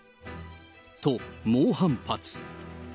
と、猛反発。